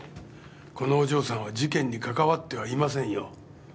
このお嬢さんは事件にかかわってはいませんよ。